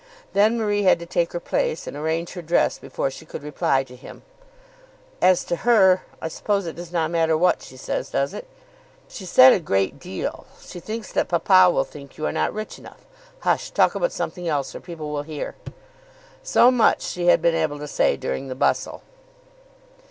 Then Marie had to take her place and arrange her dress before she could reply to him. "As to her, I suppose it does not matter what she says, does it?" "She said a great deal. She thinks that papa will think you are not rich enough. Hush! Talk about something else, or people will hear." So much she had been able to say during the bustle.